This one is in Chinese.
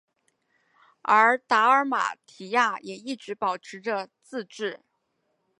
而达尔马提亚也一直保持着自治。